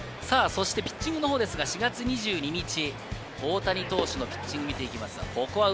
ピッチングですが、４月２２日、大谷投手のピッチングを見ていきます。